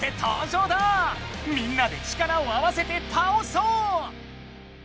みんなで力を合わせてたおそう！